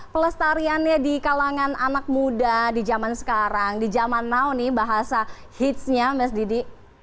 pelestariannya di kalangan anak muda di zaman sekarang di zaman now nih bahasa hitsnya mas didi